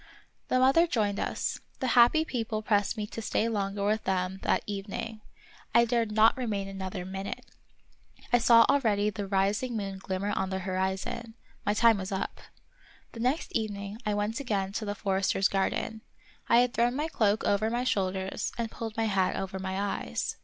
The mother joined us. The happy people pressed me to stay longer with them that even ing. I dared not remain another minute. I saw of Peter SchlemihL 49 already the rising moon glimmer on the horizon ; my time was up. The next evening I went again to the forester's garden. I had thrown my cloak over my shoulders and pulled my hat over my eyes.